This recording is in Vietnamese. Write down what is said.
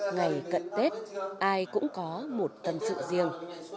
ngày cận tết ai cũng có một tân sự riêng